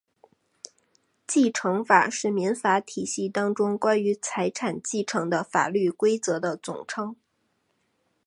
继承法是民法体系当中关于财产继承的法律规则的总称。